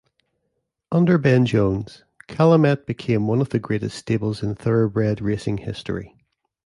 Under Ben Jones, Calumet became one of the greatest stables in thoroughbred racing history.